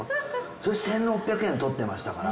それ１，６００円取ってましたから。